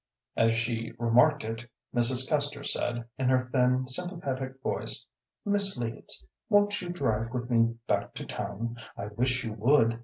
As she remarked it, Mrs. Custer said, in her thin, sympathetic voice, "Miss Leeds, won't you drive with me back to town? I wish you would."